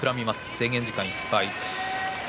制限時間いっぱい。